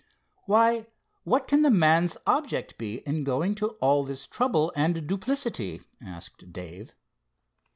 "Why, what can the man's object be in going to all this trouble and duplicity?" asked Dave.